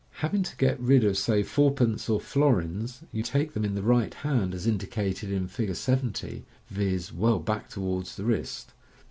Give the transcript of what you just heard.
Having to get rid of, say, four pence or florins, you take them in the right hand, as indicated Fig. 68. in Fig. 70, viz., well back towards the wris=t.